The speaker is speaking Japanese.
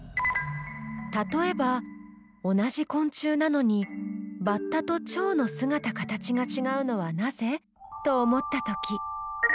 例えば「同じ昆虫なのにバッタとチョウの姿形がちがうのはなぜ？」と思ったとき。